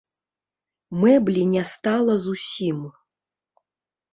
Мэблі не стала зусім.